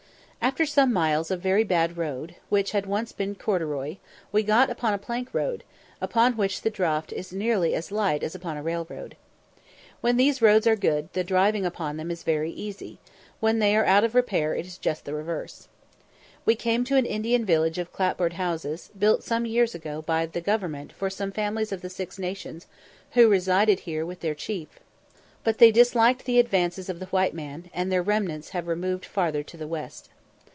After some miles of very bad road, which once had been corduroy, we got upon a plank road, upon which the draught is nearly as light as upon a railroad. When these roads are good, the driving upon them is very easy; when they are out of repair it is just the reverse. We came to an Indian village of clap board houses, built some years ago by Government for some families of the Six Nations who resided here with their chief; but they disliked the advances of the white man, and their remnants have removed farther to the west.